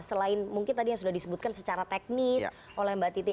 selain mungkin tadi yang sudah disebutkan secara teknis oleh mbak titi